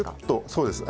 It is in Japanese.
そうです。